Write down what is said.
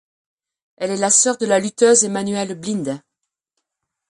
Elle est la sœur de la lutteuse Emmanuelle Blind.